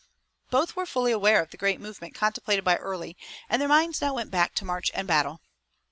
Both were fully aware of the great movement contemplated by Early and their minds now went back to march and battle.